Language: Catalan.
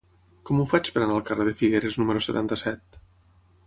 Com ho faig per anar al carrer de Figueres número setanta-set?